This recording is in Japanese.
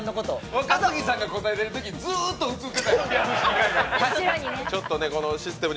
若槻さんが答えてるとき、ずっと映ってたよね。